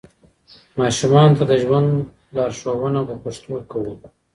ماشومانو ته د ژوند لارښوونه په پښتو کوئ.